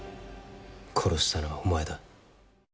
殺したのはお前だ。